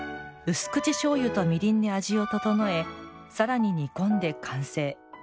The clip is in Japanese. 薄口しょうゆとみりんで味を調えさらに煮込んで完成。